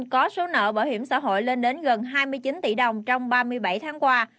có số nợ bảo hiểm xã hội lên đến gần hai mươi chín tỷ đồng trong ba mươi bảy tháng qua